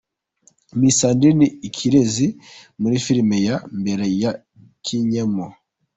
Miss Sandrine Ikirezi muri filime ya mbere yakinnyemo.